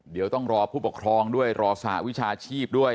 เดี๋ยวต้องรอผู้ปกครองด้วยรอสหวิชาชีพด้วย